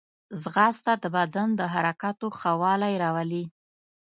ځغاسته د بدن د حرکاتو ښه والی راولي